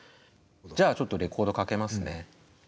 じゃあちょっとレコードかけますね。